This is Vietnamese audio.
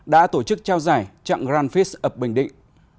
đã tổ chức trao giải trạng grand prix ở bình định